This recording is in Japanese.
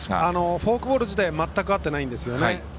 フォークボール自体全く合っていないんですよね。